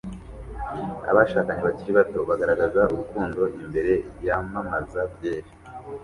Abashakanye bakiri bato bagaragaza urukundo imbere yamamaza byeri